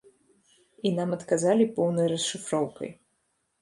І нам адказалі поўнай расшыфроўкай.